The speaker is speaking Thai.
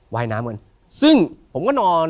ว่ายน้ำกันซึ่งผมก็นอน